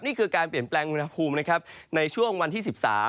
นี่คือการเปลี่ยนแปลงอุณหภูมินะครับในช่วงวันที่๑๓